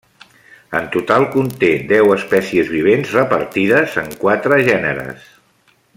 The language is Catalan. En total, conté deu espècies vivents repartides en quatre gèneres.